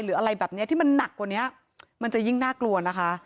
อะไรแบบนี้ที่มันหนักกว่านี้มันจะยิ่งน่ากลัวนะคะ